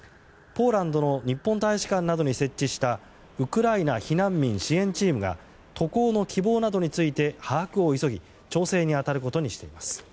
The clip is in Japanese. ポーランドの日本大使館などに設置したウクライナ避難民支援チームが渡航の希望などについて把握を急ぎ